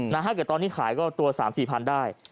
ถ้าเกิดตอนนี้ขายก็ตัว๓๔พันได้